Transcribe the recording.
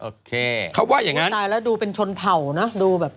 โอเคเขาว่าอย่างงั้นตายแล้วดูเป็นชนเผ่าเนอะดูแบบ